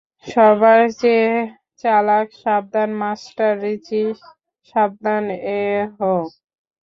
সবার চেয়ে চালাক সাবধান, মাস্টার রিচি সাবধান এহ?